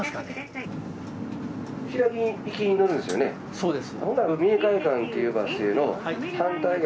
そうです。